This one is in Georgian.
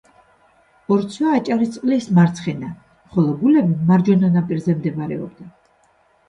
ორცვა აჭარისწყლის მარცხენა, ხოლო გულები მარჯვენა ნაპირზე მდებარეობდა.